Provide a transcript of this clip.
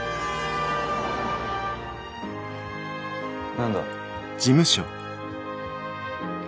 何だ？